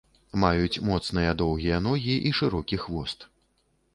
Маюць моцныя доўгія ногі і шырокі хвост.